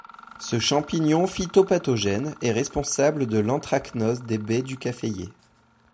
Ce champignon phytopathogène est responsable de l'anthracnose des baies du caféier.